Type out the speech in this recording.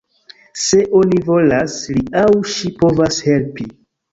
Se oni volas, li aŭ ŝi povas helpi.